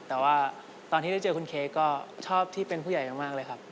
แต่ว่าตอนที่ได้เจอคุณเค้กก็ชอบที่เป็นผู้ใหญ่มากเลยครับ